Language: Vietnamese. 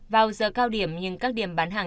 vào giờ cao điểm nhưng các điểm bán hàng